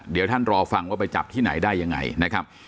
เดี๋ยวท่านรอฟังว่าไปจับที่ไหนได้ยังไงนะครับ